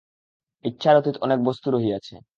ইচ্ছার অতীত অনেক বস্তু রহিয়াছে।